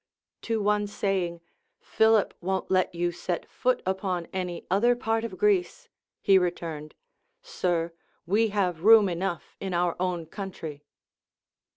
To one saying, Philip won't let you set foot upon any other part of Greece, he returned, Sir, we have room enough in our own country.